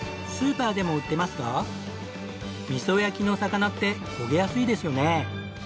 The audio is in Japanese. スーパーでも売ってますがみそ焼きの魚って焦げやすいですよね。